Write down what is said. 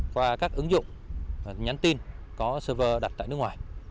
qua các ứng dụng nhắn tin có server đặt tại nước ngoài